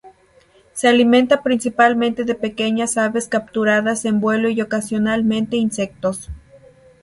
Se alimenta principalmente de pequeñas aves capturadas en vuelo y ocasionalmente insectos.